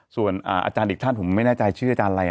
ส่วนอาจารย์อีกท่านผมไม่แน่ใจชื่ออาจารย์อะไร